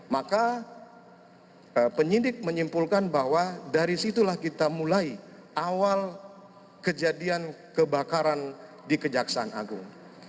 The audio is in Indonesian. maka penyidik menyimpulkan bahwa dari situlah kita mulai awal kejadian kebakaran di kejaksaan agung